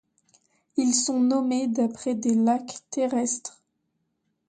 Ils sont nommés d'après des lacs terrestres.